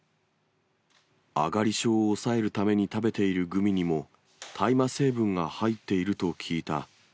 あがり症を抑えるために食べているグミにも大麻成分が入っていると聞いた。